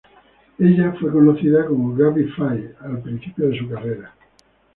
Ella fue conocida como Gaby Fay al principio de su carrera.